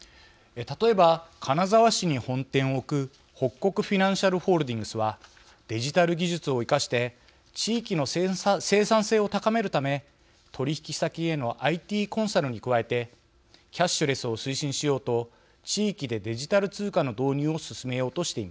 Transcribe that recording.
例えば金沢市に本店を置く北國フィナンシャルホールディングスはデジタル技術を生かして地域の生産性を高めるため取引先へのＩＴコンサルに加えてキャッシュレスを推進しようと地域でデジタル通貨の導入を進めようとしています。